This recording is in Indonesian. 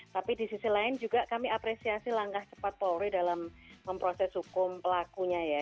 tapi di sisi lain juga kami apresiasi langkah cepat polri dalam memproses hukum pelakunya ya